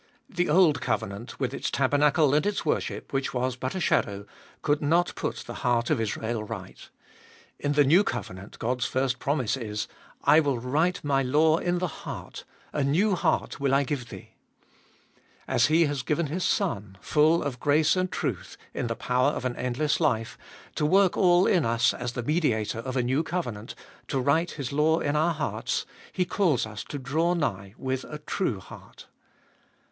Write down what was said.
The old covenant, with its tabernacle and its worship, which was but a shadow, could not put the heart of Israel right. In the new covenant God's first promise is, / will write My law in the heart: a new heart will I give thee. As He has given His Son, full of grace and truth, in the power of an endless life, to work all in us as the Mediator of a new covenant, to write His law in our hearts, He calls us to draw nigh with a true heart.